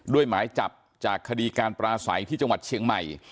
หมายจับจากคดีการปราศัยที่จังหวัดเชียงใหม่